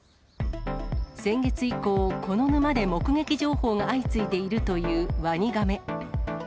先月以降、この沼で目撃情報が相次いでいるというワニガメ。